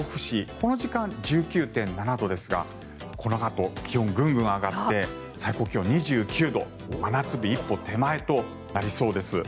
この時間１９．７度ですがこのあと気温、ぐんぐん上がって最高気温２９度真夏日一歩手前となりそうです。